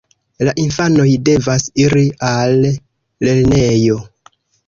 La infanoj devas iri al lernejo.